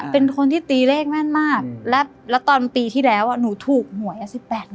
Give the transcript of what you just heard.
เป็นคนที่ตีเลขแม่นมากแล้วตอนปีที่แล้วหนูถูกหวย๑๘